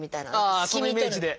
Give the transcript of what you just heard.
ああそのイメージで。